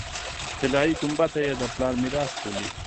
طلایي ګنبده یې د پلار میراث بولي.